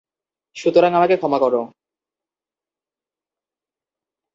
সুতরাং আমাকে ক্ষমা কর।